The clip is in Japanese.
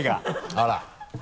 あら。